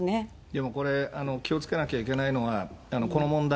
でもこれ、気をつけなきゃいけないのは、この問題、